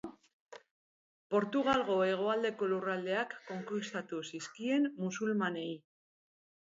Portugalgo hegoaldeko lurraldeak konkistatu zizkien musulmanei.